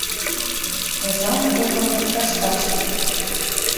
Озан кумыл — кашташте